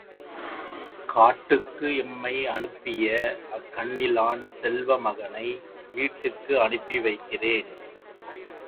காட்டுக்கு எம்மை அனுப்பிய அக்கண்ணிலான் செல்வமகனை வீட்டுக்கு அனுப்பி வைக்கிறேன்.